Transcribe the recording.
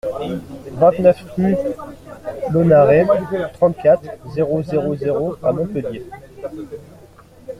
vingt-neuf rue Lunaret, trente-quatre, zéro zéro zéro à Montpellier